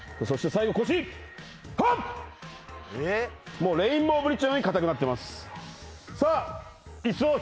もうレインボーブリッジのように硬くなってます。